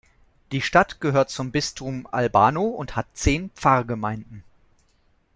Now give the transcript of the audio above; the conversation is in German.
Die Stadt gehört zum Bistum Albano und hat zehn Pfarrgemeinden.